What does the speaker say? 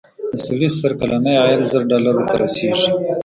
د سړي سر کلنی عاید زر ډالرو ته رسېږي.